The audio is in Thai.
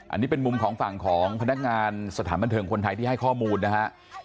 อันนี้เป็นมุมของฝั่งของพนักงานสถานบันเทิงคนไทยที่ให้ข้อมูลนะฮะ